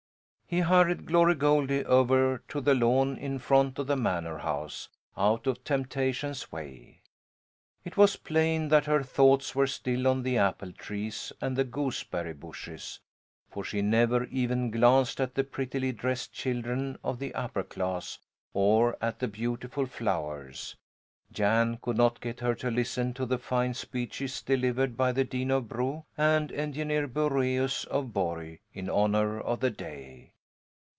He hurried Glory Goldie over to the lawn in front of the manor house, out of temptation's way. It was plain that her thoughts were still on the apple trees and the gooseberry bushes, for she never even glanced at the prettily dressed children of the upper class or at the beautiful flowers. Jan could not get her to listen to the fine speeches delivered by the Dean of Bro and Engineer Boraeus of Borg, in honour of the day.